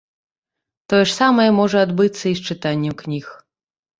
Тое ж самае можа адбыцца і з чытаннем кніг.